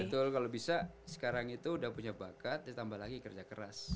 betul kalau bisa sekarang itu udah punya bakat ditambah lagi kerja keras